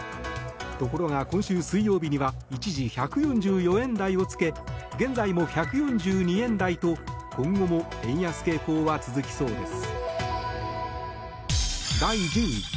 ところが、今週水曜日には一時、１４４円台をつけ現在も１４２円台と今後も円安傾向は続きそうです。